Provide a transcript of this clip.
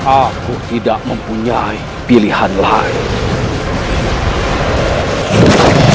aku tidak mempunyai pilihan lain